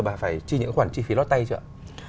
và phải chi những khoản chi phí lót tay chưa ạ